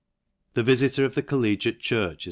The vifitor of the collegiate church is.